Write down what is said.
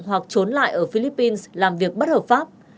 hoặc trốn lại ở philippines làm việc bất hợp pháp